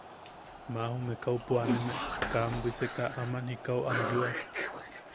¡Maa jume kaupo aneme kaa am bwiseka aman jikau am yuuʼa!